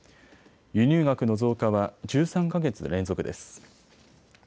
輸入額の増加は１３か月連続です。